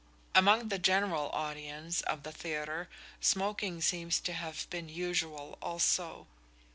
Among the general audience of the theatre smoking seems to have been usual also.